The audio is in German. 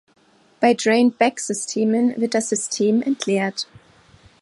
Bei Drain-Back-Systemen wird das System entleert.